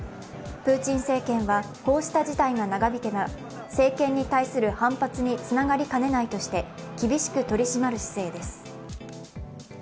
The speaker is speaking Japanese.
プーチン政権はこうした事態が長引けば政権に対する反発につながりかねないとして、厳しく取り締まる姿勢です。